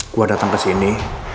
gue datang kesini